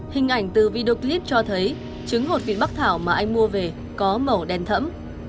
hình ảnh từ video clip cho thấy trứng hột vịt bắc thảo mà anh mua về có màu đen thẫm